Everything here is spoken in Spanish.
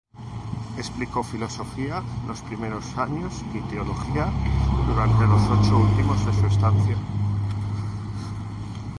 Explicó filosofía los primeros años y teología durante los ocho últimos de su estancia.